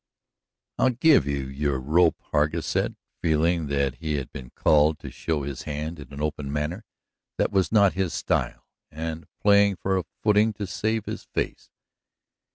"I've give you your rope," Hargus said, feeling that he had been called to show his hand in an open manner that was not his style, and playing for a footing to save his face.